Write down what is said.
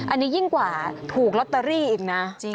อันนี้ยิ่งกว่าถูกลอตเตอรี่อีกนะ